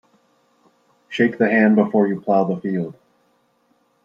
Shake the hand before you plough the field.